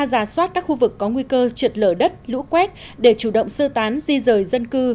giả soát các khu vực có nguy cơ trượt lở đất lũ quét để chủ động sơ tán di rời dân cư